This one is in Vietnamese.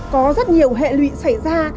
có rất nhiều hệ lụy xảy ra